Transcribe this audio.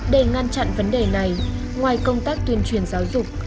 để ngăn chặn vấn đề này ngoài công tác tuyên truyền giáo dục